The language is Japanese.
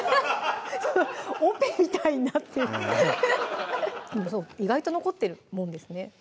オペみたいになってる意外と残ってるもんですね